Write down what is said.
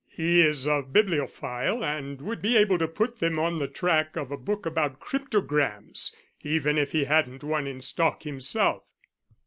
He's a bibliophile, and would be able to put them on the track of a book about cryptograms, even if he hadn't one in stock himself."